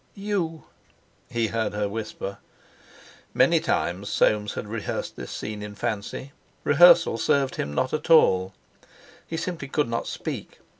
"You!" he heard her whisper. Many times Soames had rehearsed this scene in fancy. Rehearsal served him not at all. He simply could not speak.